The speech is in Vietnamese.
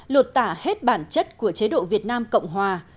lột tả hết bản chất của chế độ việt nam cộng hòa